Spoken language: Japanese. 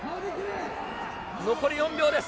残り４秒です。